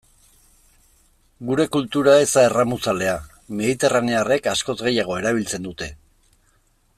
Gure kultura ez da erramuzalea, mediterranearrek askoz gehiago erabiltzen dute.